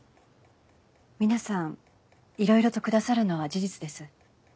皆さんいろいろと下さるのは事実です。